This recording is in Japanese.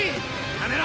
やめろ！